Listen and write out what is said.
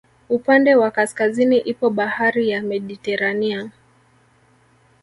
Upande wa kaskazini ipo bahari ya Mediterania